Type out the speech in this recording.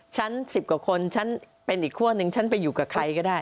๑๐กว่าคนฉันเป็นอีกคั่วหนึ่งฉันไปอยู่กับใครก็ได้